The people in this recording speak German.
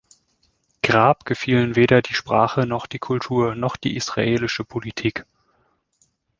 Grab gefielen weder die Sprache noch die Kultur noch die israelische Politik.